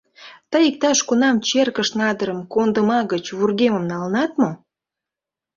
Тый иктаж кунам черкыш надырым кондыма гыч вургемым налынат мо?